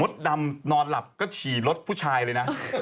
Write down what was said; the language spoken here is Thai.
ดำนอนหลับก็ฉี่รถผู้ชายเลยนะ